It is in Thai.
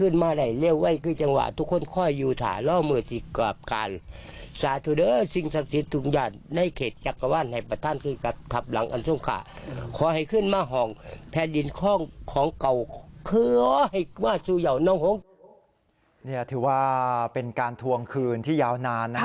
นี่ถือว่าเป็นการทวงคืนที่ยาวนานนะ